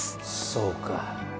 そうか。